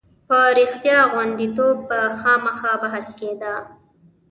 په رښتیا غوندېتوب به خامخا بحث کېده.